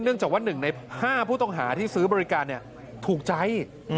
จากว่า๑ใน๕ผู้ต้องหาที่ซื้อบริการถูกใจ